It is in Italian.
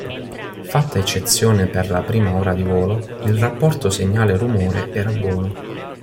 Fatta eccezione per la prima ora di volo, il rapporto segnale rumore era buono.